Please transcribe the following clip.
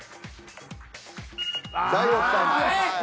大六さん。